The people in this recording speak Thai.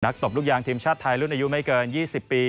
ตบลูกยางทีมชาติไทยรุ่นอายุไม่เกิน๒๐ปี